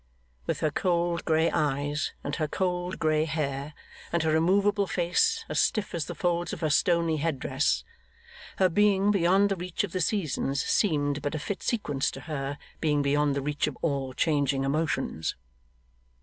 With her cold grey eyes and her cold grey hair, and her immovable face, as stiff as the folds of her stony head dress, her being beyond the reach of the seasons seemed but a fit sequence to her being beyond the reach of all changing emotions.